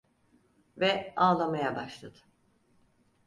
Ve ağlamaya başladı…